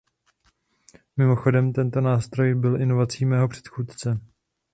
Mimochodem, tento nástroj byl inovací mého předchůdce.